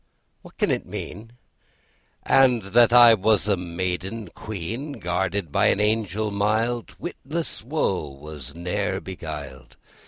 What can it mean? And that I was a maiden Queen Guarded by an Angel mild: Witless woe was ne'er beguiled!